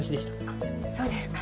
あっそうですか。